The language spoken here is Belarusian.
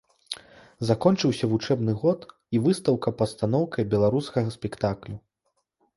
Закончыўся вучэбны год і выстаўка пастаноўкай беларускага спектаклю.